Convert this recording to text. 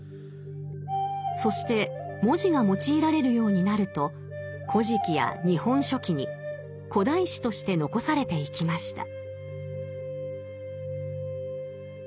そして文字が用いられるようになると「古事記」や「日本書紀」に古代史として残されていきました。